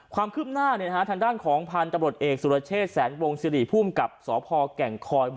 ความขึ้นหน้าทางด้านของพาลตรบรดเอกศุรเชษฐ์แสงวงศ์ซีรีย์ภูมิกับสพแก่งคอย